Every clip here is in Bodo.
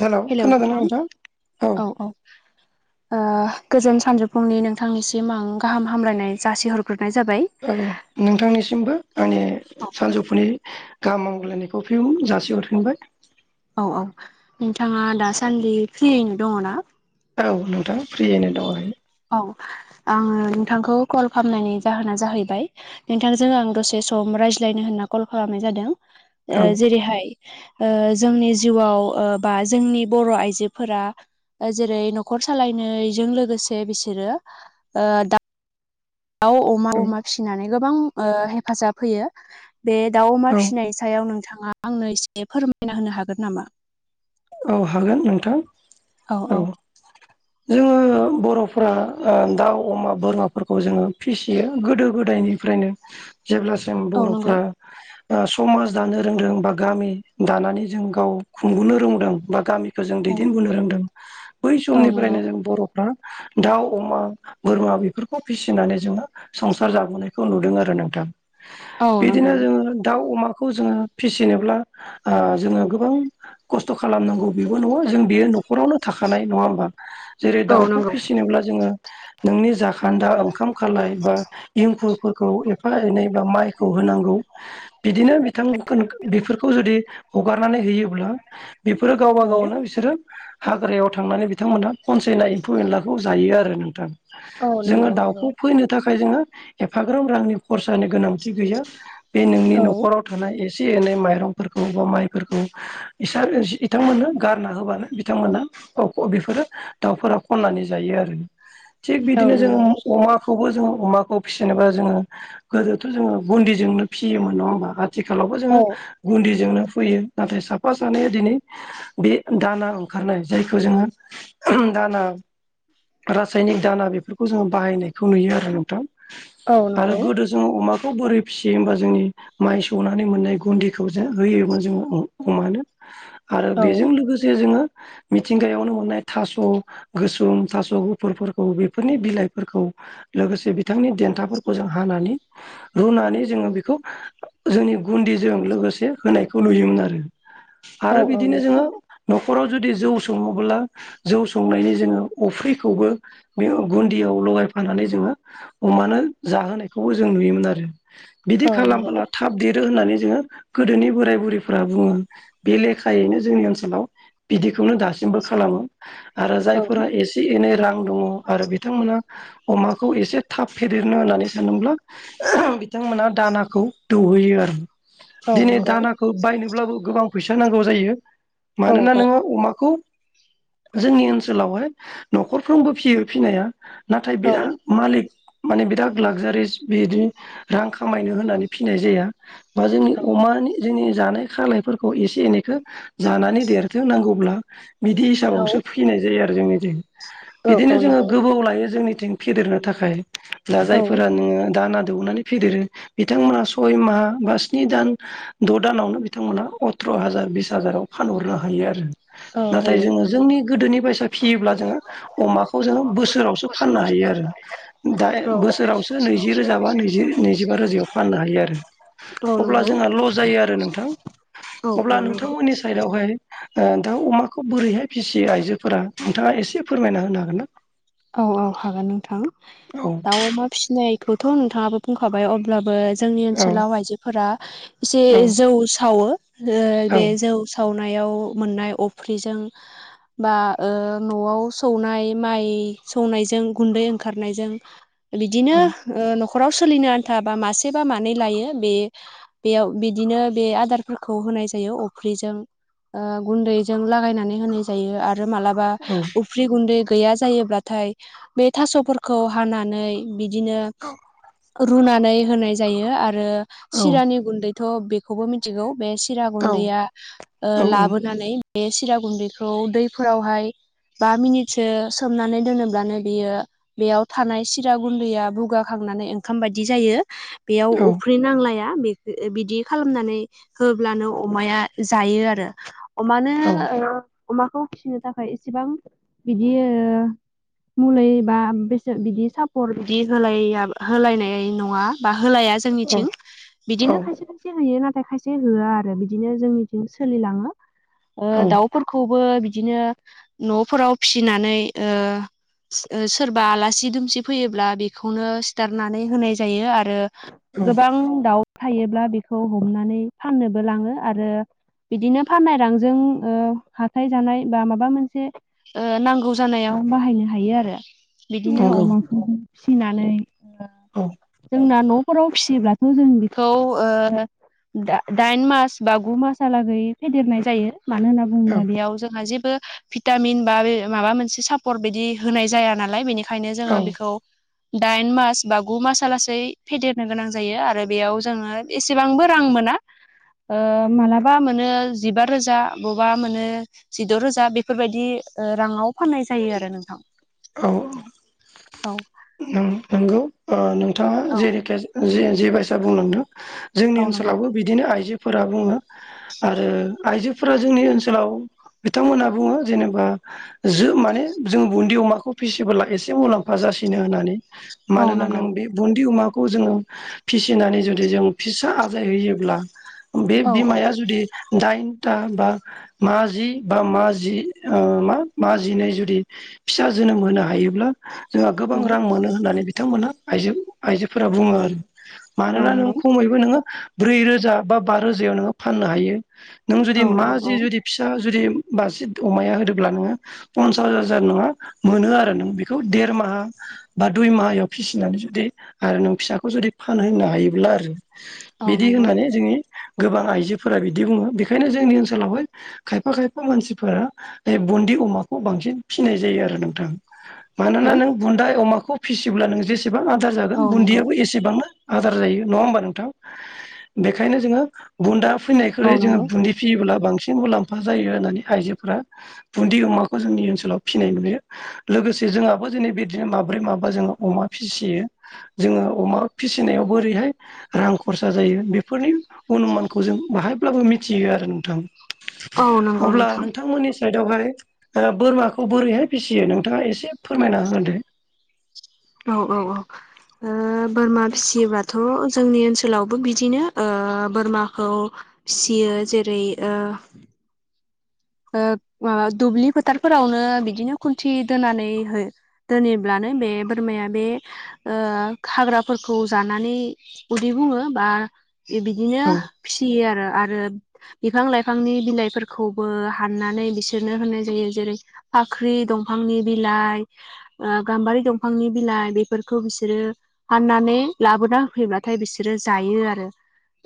हेलौ खोनादोंना नोंथां औ गोजोन सानजौफुंनि नोंथांनिसिम आं गाहाम हामलायनाय जासिहरग्रोनाय जाबाय औ नोंथांनिसिमबो आंनि औ सानजौफुनि गाहाम हालायनायखौ फिउ जासिहरफिनबाय। औ औ नोंथाङा दासान्दि फ्रियैनो दङ ना औ नोंथां फ्रियैनो दङ है औ आङो नोंथांखौ कल खालामनायनि जाहोना जाहैबाय नोंथांजों आं दसे सम रायज्लायनो होनना कल खालामनाय जादों ओ औ जेरै हाय ओ जोंनि जिउआव ओ बा जोंनि बर' आइजोफोरा ओ जेरै न'खर सालायनायजों लोगोसे बिसोरो ओ दाउ अमा अमा फिसिनानै गोबां ओ हेफाजाब होयो। बे दाउ अमा औ फिसिनायनि सायाव नोंथाङा आंनो एसे फोरमायना होनो हागोन नामा। औ हागोन नोंथां औ जोङो बर'फोरा दाउ अमा बोरमाफोरखौ जोङो फिसियो। गोदो गोदायनि फ्रायनो जेब्लासिम औ नंगौ बर'फ्रा समाज दानो रोंदों बा गामि दानानै जों गाव खुंबनो रोंदों। बा गामिखौ जों औ दैदेनबोननो रोंदों। बै औ नंगौ समनिफ्रायनो जों बर' बा दाउ, अमा, बोरमा बेफोरखौ फिसिनानै जोङो संसार जाबोनायखौ नुदों आरो नोंथां। औ बिदिनो नंगौ जोङो दाउ अमाख खौ जोङो फिसिनोब्ला ओ जोङो गोबां खस्थ' ख खालामनांगौ। बेबो नङा जों बेयो न'खरावनो थाखानाय नङा होमबा। जेरै- औ दाउखौ नंगौ फिसिनोब्ला जोङो नोंनि जाखान्दा ओंखाम खालाय बा इंखुरफोरखौ एफा एनै बा माइखौ होनांगौ। बिदिनो बिथां बेफोरखौ जुदि हगारनानै होयोब्ला। बेफोरो गावबा औ गावनो बिसोरो हाग्रायाव थांनानै बिथांमोनहा खनसायना एम्फौ एनलाखौ जायो आरो नोंथां। औ जोङो नंगौ नंगौ दाउखौ फिनो थाखाय जोङो एफाग्राम रांनि खरसानि गोनांथि गैया। बे नोंनि औ न'खराव थानाय एसे एनै माइरंफोरखौ बा माइफोरखौ बिथांमोननो गारना होबानो बिथांमोना बेफोरो दाउफोरा खननानै जायो आरो। थिग औ बिदिनो नंगौ जोङो अमा हाखौबो जोङो अमाखौ फिसिनोबा जोङो गोदोथ' जोङो गुन्दिजोंनो फिसियोमोन नङा होनबा। आथिखालावबो जोङो औ गुनदिजोंनो फैयो। नाथाय साफा सानैया दिनै बे दाना ओंखारनाय जायखौ जोङो दाना रासायनिक दाना बेफोरखौ जोङो बाहायनायखौ नुयो आरो नोंथां। औ आरो नंगौ गोदो जोङो अमाखौ बोरै फिसियो होमबा जोंनि माइ सौनानै मोननाय गुन्दिखौ जों होयोमोन जोङो अमानो। आरो औ बेजों लोगोसे जोङो मिथिंगायावनो मोननाय थास' गोसोम थास' गुफुरफोरखौ, बेफोरनि बिलाइफोरखौ लोगोसे बिथांनि देन्थाफोरखौ जों हानानै रुनानै जोङो बेखौ जोंनि गुन्दिजों लोगोसे होनायखौ नुयोमोन आरो। औ आरो बिदिनो नंगौ जोङो न'खराव जुदि जौ सङोब्ला जौ संनायनि जोङो अफ्रिखौबो बे गुन्दियाव लगायफानानै जोङो अमानो जाहोनायखौबो जों नुयोमोन आरो। बिदि औ नंगौ खालामबोला थाब देरो होननानै जोङो गोदोनि बोराइ बुरैफोरा बुङो। बे लेखायैनो जोंनि ओनसोलाव बिदिखौनो दासिमबो खालामो। आरो औ जायफोरा एसे एसे एनै रां दङ आरो बिथांमोना अमाखौ एसे थाब फेदेरनो होननानै सानदोंब्ला बिथांमोना दानाखौ दौहैयो आरो। औ दिनै नंगौ दानाखौ बायनोब्लाबो गोबां फैसा नांगौ जायो। औ मानोना औ नोङो अमाखौ जोंनि ओनसोलावहाय न'खरफ्रोमबो फियो फिनाया। नाथाय बिराद मालिक माने बिराद लाक्जारिस बिदि रां खामायनो होनानै फिनाय जाया। बा जोंनि अमानि जोंनि जानाय खालायफोरखौ खौ एसे एनैखौ जानानै देरथोंनांगौब्ला बिदि हिसाबावसो फि फिनाय जायो आरो जोंनिथिं। बिदिनो औ जोङो नंगौ गोबाव लायो जोंनिथिं फेदेरनो थाखाय। दा औ जायफोरा नोङो दाना दौनानै फेदेरो बिथांमोना सय माह बा स्नि दान द' दानावनो बिथांमोना सथ्र' हाजार बिस हाजाराव फानहरनो हायो आरो। औ नाथाय हायो जोङो जोंनि गोदोनि बायसा फियोब्ला जोङो अमाखौ जोङो बोसोरावसो फाननो हायो आरो। दा औ बोसोरावसो नैजि रोजा बा नैजि नैजिबा रोजायाव फाननो हायो आरो। औ अब्ला नंगौ जोंहा ल' जायो आरो नोंथां। औ अब्ला नंगौ नोंथांमोननि साइडआवहाय दाउ अमाखौ बोरैहाय फिसियो आइजोफोरा नोंथाङा एसे फोरमायना होनो हागोन ना औ औ हागोन नोंथां औ दा अमा फिसिनायखौथ' नोंथाङाबो बुंखाबाय अब्लाबो जोंनि औ ओनसोलाव आइजोफोरा एसे औ जौ सावो बे जौ सावनायाव मोननाय अफ्रिजों बा न'आव सौनाय माइ सौनायजों गुन्दै ओंखारनायजों औ बिदिनो न'खराव सोलिनो आन्था बा मासे बा मानै लायो बे बेयाव बिदिनो बे आदारफोरखौ होनाय जायो अफ्रिजों गुन्दैजों लागायनानै होनाय जायो आरो मालाबा औ बा उफ्रि गुन्दै गैया जायोब्लाथाय बे थास'फोरखौ हानानै बिदिनो रुनानै होनाय जायो आरो औ सिरानि गुन्दैथ' खौबो मिथिगौ बे सिरा औ गुन्दैया लाबोनानै बे सिरा गुन्दैखौ दैफोरावहाय बा मिनिटसो सोमनानै दोनोब्लानो बियो बेयाव थानाय सिरा गुन्दैया बुगाखांनानै ओंखाम बायदि जायो बेयाव अफ्रि नांलाया बे बिदि खालामनानै होब्लानो अमाया जायो आरो अमानो औ अमाखौ फिसिनो थाखाय एसेबां बिदि मलुलिबा बेसे बिदि सापर्ट बिदि होलाय होलायनाय नङा बा होलाया औ जोंनिथिं औ बिदिनो खायसे खायसे होयो नाथाय खायसे होआ आरो बिदिनो जोंनिथिं सोलाङो औ दाउ खौबो बिदिनो न'फोराव फिनानै सोरबा आलासि दुमसि फैयोब्ला बेखौनो सिथारनानै होनाय जायो आरो औ गोबां दाउ थायोब्ला बेखौ हमनानै फाननोबो लाङो आरो बिदिनो फाननाय रांजों हाथाय जानाय बा माबा मोनसे नांगौ जानायाव बाहायनो हायो आरो बिदिनो नंगौ अमाखौ फिसिनानै औ जोंना न'फोराव फिसियोब्लाथ' जों बेखौ द दाइन मास ब गु मासलागै फेदेरनाय जायो मानो होनना औ बुङोब्ला बेयाव जोंहा जेबो भिटामिन बा बे माबा मोनसे सापर्ट बिदि होनाय जाया नालाय बेनिखायनो औ जोङो बेखौ दाइन मास बा गु मासआ लासै फेदेरनो गोनां जायो आरो बेयाव जोङो एसेबांबो रां मोना मालाबा मोनो जिबा रोजा बबेबा मोनो जिद' रोजा बेफोरबायदि राङाव फाननाय जायो आरो नोंथां औ औ औ नंगौ नोंथाङा औ जेरैखि जे बायसा बुंलांदों औ जोंनि नंगौ ओनसोलावबो बिदिनो आइजोफोरा बुङो आरो आइजोफोरा जोंनि ओनसोलाव बिथांमोनहा बुङो जेनेबा ज माने जों बुन्दि अमाखौ फिसिबोला एसे मुलाम्फा जासिगोन नो होननानै औ मानोना नंगौ नों बे बुन्दि अमाखौ जोङो फिसिनानै जुदि जों फिसा आजायहैयोब्ला बे औ बिमाया जुदि दाइनथा बा मा जि बा मा जि मा मा जि जुदि फिसा जोनोम होनो हायोब्ला जों गोबां औ रां मोनो होननानै बिथांमोना आ आइजोफोरा बुङो आरो औ मानोना नों नंगौ खम ब्रै रोजा बा रोजायाव नों फाननो हायो नों‌ औ जुदि औ औ मासि फिसा जुदि बाजसि अमाया होदोब्ला नोङो पनसास हाजार नङा मोनो आरो नों बेखौ देरमाहा बा दुइ माहायाव फिसिनानै जुदि ओ नों फिसाखौ जुदि फानहोननो हायोब्ला आरो। औ बिदि नंगौ होननानै जोंनि गोबां आइजोफोरा बिदि बुङो। बेखायनो जोंनि ओनसोलावहाय खायफा खायफा मानसिफोरा बे बुन्दि अमाखौ बांसिन फिसिनाय जायो आरो नोंथां। मानोना हेलौ नों बुन्दा अमाखौ फिसिब्ला नों जेसेबां आदार जागोन औ नंगौ बुन्दैयाबो एसे एसेबांनो आदार जायो नङा होमबा नोंथां? बेखायनो जोङो बुन्दा औ फैनायनिख्रुय जोङो नंगौ बुन्दि फियोब्ला बांसिन मुलाम्फा जायो होननानै आइजोफोरा बुन्दि अमाखौ जोंनि ओनसोलाव फिनाय नुयो। लोगोसे जोंहाबो जोंनि बे बिदिनो माब्रै माबा जोङो अमा फिसियो‌ जोङो अमा फिसिनायावबो बोरैहाय रांखौ खरसा जायो बेफोरनि अनुमानखौ जों बाहायब्लाबो मिथियो आरो नोंथां। औ नंगौ अब्ला नोंथां नोंथांमोननि साइदआवहाय बोरमाखौ बोरैहाय फिसियो नोंथाङा एसे फोरमायना होदो। औ औ औ। ओ बोरमा फिसियोबाथ' जोंनि ओनसोलावबो बिदिनो ओ बोरमाखौ फिसियो जेरै ओ ओ ओ दुब्लि फोथारफोरावनो बिदिनो खुन्थि दोननानै हो दोनैब्लानो बे बोरमाया बे ओ खाग्राफोरखौ जानानै उदै बुङो बा ए बिदिनो औ फिसियो आरो। आरो बिफां लाइफांनि बिलाइफोरखौबो हाननानै बिसोरनो होनाय जायो जेरै फाख्रि दंफांनि बिलाइ ओ गाम्बारि दंफांनि बिलाइ बेफोरखौ बिसोरो हाननानै लाबोना होफैब्लाथाय बिसोरो जायो आरो।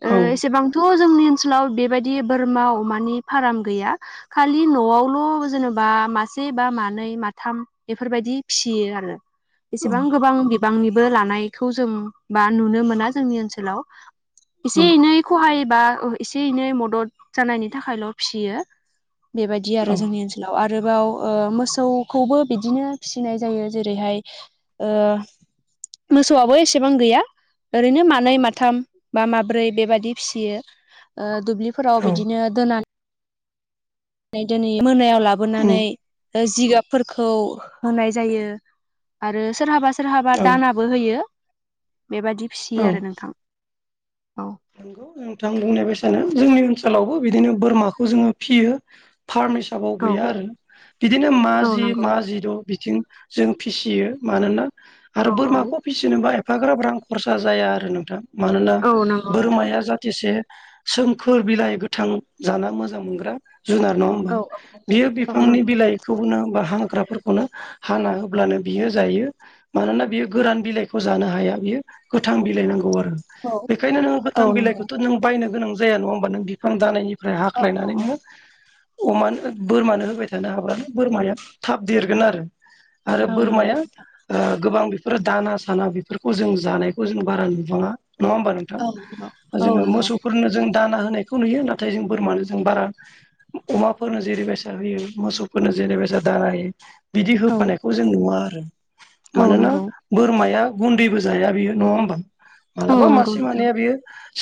औ ओ एसेबांथ' जोंनि ओनसोलाव बेबायदि बोरमा अमानि फार्म गैया। खालि न'आवल' जेनेबा मासे बा मानै, माथाम बेफोरबायदि फिसियो आरो। औ बेसेबां गोबां बिबांनिबो लानायखौ जों बा नुनो मोना जोंनि ओनसोलाव। औ एसे एनै खहायोबा ओ एसे एनै मदद जानायनि थाखायल' फिसियो। बेबायदि औ आरो जोंनि ओनसोलाव आद आरोबाव‌ ओ मोसौखौबो बिदिनो फिसिनाय जायो। जेरैहाय ओ मोसौआबो एसेबां गैया। ओरैनो मानै, माथाम बा माब्रै बेबाददि फिसियो। ओ दुब्लिफोराव औ बिदिनो दोनानै नानै मोनायाव लाबोनानै उम, जिगाबफोरखौ होनाय जायो। आरो सोरहाबा सोर सोरहाबा औ दानाबो होयो, बेबादि फियो औ आरो नोंथां। औ। नंगौ नोंथां बुंनाय बायसानो जोंनि ओनसोलावबो बिदिनो बोरमाखौ जोङो फियो। फार्म हिसाबाव औ गैया आरो बिदिनो मा औ जि नंगौ मा जिद' बिथिं जों फिसियो। मानोना आरो औ बोरमाखौ फिसि औ फिसिनोबा एफाग्राब रां खरसा जाया आरो नोंथां। मानोना औ नंगौ नोंथां बोरमाया जाथिसे सोमखोर बिलाइ गोथां जाना मोजां मोनग्रा जुनार नङा हो औ [unintelligible] बियो औ बिफांनि नंगौ बिलाइ खौनो बा हाग्राफोरखौनो हाना होब्लानो बियो जायो। मानोना बियो गोरान बिलाइखौ जानो हाया, बियो गोथां बिलाइ नांगौ आरो। औ बेखायनो नों गोथां औ नंगौ बिलाइखौथ' नों बायनो गोनां जाया नङा होमबा नों बिफां दानायनिफ्राय औ हाख्लायनानैनो अमानो बोरमानो होबाय थानो हाब्लानो बोरमाया थाब देरगोन आरो। आरो औ औ नंगौ बोरमाया नोंथां ओ गोबां बेफोरो दाना साना बेफोरखौ जों जानायखौ जों बारा नुुबाङा नङा होमबा नोंथां? औ नंगौ औ जोङो नंगौ मोसौफोरनो जों दाना होनायखौ नुयो। नाथाय जों बोरमानो जों बारा अमाफोरनो जेरैबायसा होयो मोसौफोरनो जेरै बायसा दाना होयो। बिदि औ होफानायखौ जों नुवा आरो। औ मानोना नंगौ बोरमाया गुन्दैबो जाया बियो नङा होमबा औ मालाबा नंगौ मासे नोंथां बेयो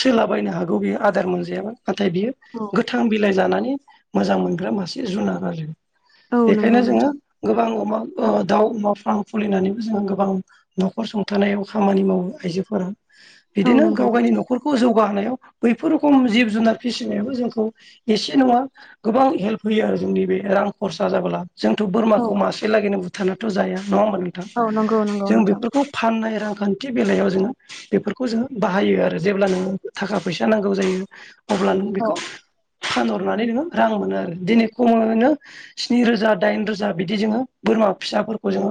सोलाबायनो हागौ बियो आदार मोनजायाबा नाथाय बियो औ गोथां बिलाइ जानानै मोजां मोनग्रा मासे जुनार आरो औ बेखायनो जोङो नंगौ गोबां अमा ओ दाउ अमा फार्म फुलिनानैबो जोङो गोबां न'खर सुंथानायाव खामानि मावो आइजोफोरा नोंथां औ बिदिनो नंगौ गावगाइनि नोंथां न'खर बेखौ जौगाहोनायाव बैफोर रोखम जिब जुनार फिसिनायाबो जोंखौ एसे नङा गोबां हेल्प होयो आरो जोंनि बे रां खरसा जाबोला। जोंथ' औ बोरमाखौ मासे लागैनो बुथारनाथ' जाया नङा होमबा नोंथां औ नंगौ नंगौ जों नोंथां बेफोरखौ फाननाय रांखान्थि बेलायाव जोङो बेफोर खौ जोङो बाहायो आरो जेब्ला नोङो थाखा फैसा नांगौ जायो अब्ला नों औ बेखौ फानहरनानै नोङो रां मोनो आरो दिनै खमोनो स्नि रोजा दाइन रोजा बिदि जोङो बोरमा फिसाफोरखौ जोङो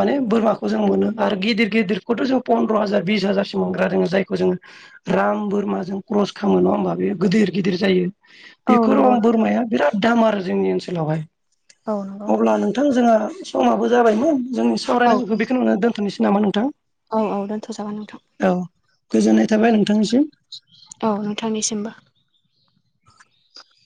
माने बोरमाखौ जों मोनो आरो गिदिर गिदिरखौथ' जों फन्द्र' हाजार बिस हाजार मोनग्रा दोङो जायखौ जोङो राम बोरमाजों क्रस खालामो नङा होमबा बे गिदिर गिदिर जायो। औ नंगौ बेरखम नोंथां बोरमाया बिराद दाम आरो जोंनि ओनसोलावहाय औ नंगौ अब्ला नों नोंथां जोंहा समाबो जाबायमोन जोंनि औ सावरायनांगौखौ बेखौ नुनो दोनथ'नोसै नामा नोंथां। औ औ दोन्थ'जागोन नोंथां। औ गोजोननाय थाबाय नोंथांनिसिम औ नोंथांनिसिमबो। [inaudible]